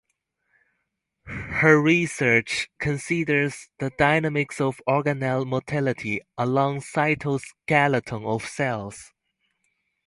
Her research considers the dynamics of organelle motility along cytoskeleton of cells.